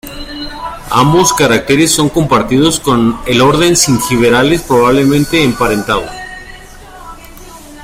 Ambos caracteres son compartidos con el orden Zingiberales, probablemente emparentado.